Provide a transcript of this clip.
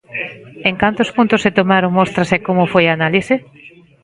En cantos puntos se tomaron mostras e como foi a análise?